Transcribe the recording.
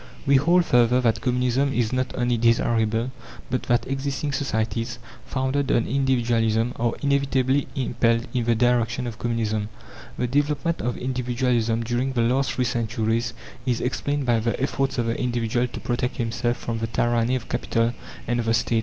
We hold further that Communism is not only desirable, but that existing societies, founded on Individualism, are inevitably impelled in the direction of Communism. The development of Individualism during the last three centuries is explained by the efforts of the individual to protect himself from the tyranny of Capital and of the State.